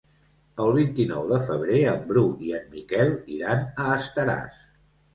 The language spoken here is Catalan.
El vint-i-nou de febrer en Bru i en Miquel iran a Estaràs.